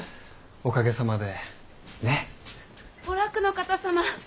お楽の方様。